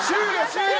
終了！